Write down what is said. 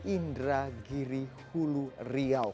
indragiri hulu riau